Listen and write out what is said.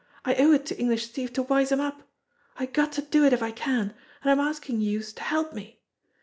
I owe it to English Steve to wise him up. I got to do it if I can, an' I'm askin' youse to help me.